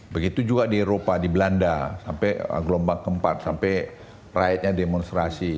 begitu juga di eropa di belanda sampai gelombang keempat sampai rakyatnya demonstrasi